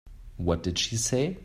What did she say?